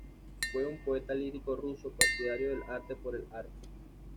Fue un poeta lírico ruso, partidario del arte por el arte.